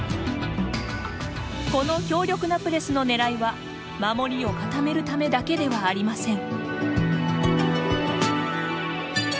この強力なプレスのねらいは守りを固めるためだけではありません。